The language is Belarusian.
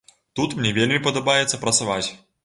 Тут мне вельмі падабаецца працаваць.